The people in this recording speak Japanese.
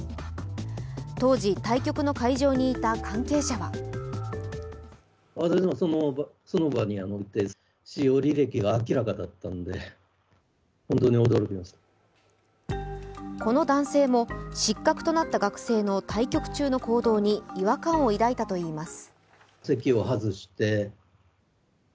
当時、対局の会場にいた関係者はこの男性も失格となった学生の対局中の行動に違和感を抱いたといいます。